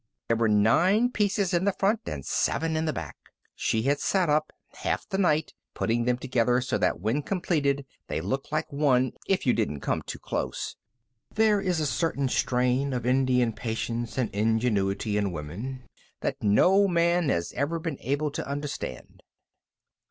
There were nine pieces in the front, and seven in the back. She had sat up half the night putting them together so that when completed they looked like one, if you didn't come too close. There is a certain strain of Indian patience and ingenuity in women that no man has ever been able to understand.